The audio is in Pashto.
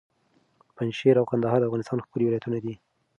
پنجشېر او کندهار د افغانستان ښکلي ولایتونه دي.